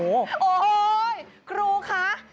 โอ้โหครูคะ